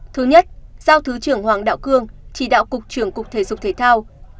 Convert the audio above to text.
thứ nhất giao thứ trưởng hoàng đạo cương chỉ đạo cục trưởng cục thể dục thể thao